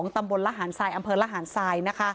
ตำบลลหารไซด์อำเภอลหารไซด์